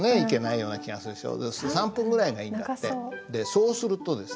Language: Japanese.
そうするとですね